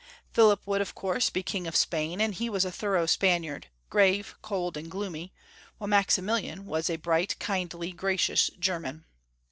Philip would of course be King of Spain, and he was a thorough Spaniard, grave, cold, and gloomy, while Maximilian was a bright, kindly, gracious German.